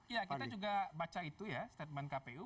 ya kita juga baca itu ya statement kpu